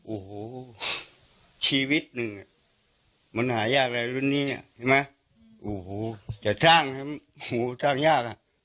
โอ้โหชีวิตหนึ่งมันหายากเลยวันนี้อ่ะใช่ไหมโอ้โหจะจ้างให้หูสร้างยากอ่ะ